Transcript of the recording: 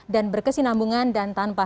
dan berkesinambungan dan tanpa